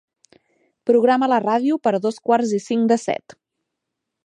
Programa la ràdio per a dos quarts i cinc de set.